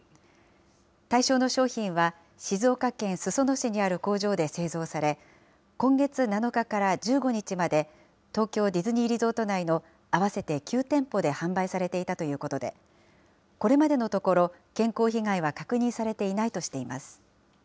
対象の商品は静岡県裾野市にある工場で製造され、今月７日から１５日まで、東京ディズニーリゾート内の合わせて９店舗で販売されていたということで、これまでのところ、健康被害は確認されていないとしています。